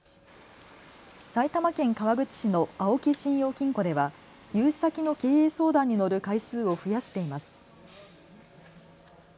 埼玉県川口市の青木信用金庫では融資先の経営相談に乗る回数を増やしています。